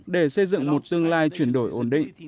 để xây dựng một tương lai chuyển đổi ổn định